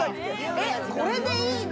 えっこれでいいの？